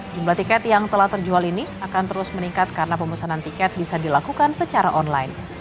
jumlah tiket yang telah terjual ini akan terus meningkat karena pemesanan tiket bisa dilakukan secara online